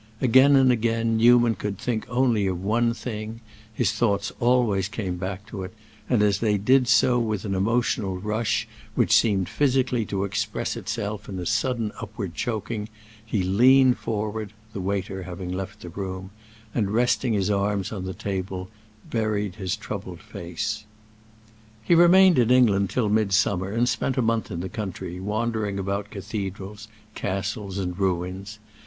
Again and again Newman could think only of one thing; his thoughts always came back to it, and as they did so, with an emotional rush which seemed physically to express itself in a sudden upward choking, he leaned forward—the waiter having left the room—and, resting his arms on the table, buried his troubled face. He remained in England till midsummer, and spent a month in the country, wandering about cathedrals, castles, and ruins.